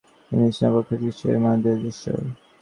খ্রীষ্টানদের পক্ষে খ্রীষ্ট এইরূপ মানবদেহধারী ঈশ্বর।